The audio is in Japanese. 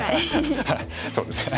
そうですね。